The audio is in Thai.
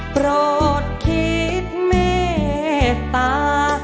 โกรธคิดเมตตา